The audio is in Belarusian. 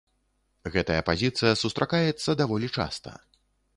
Гэтая пазіцыя сустракаецца даволі часта.